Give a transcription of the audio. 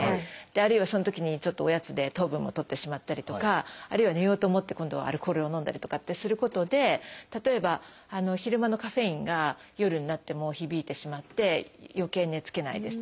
あるいはそのときにちょっとおやつで糖分もとってしまったりとかあるいは寝ようと思って今度はアルコールを飲んだりとかってすることで例えば昼間のカフェインが夜になっても響いてしまってよけい寝つけないですとか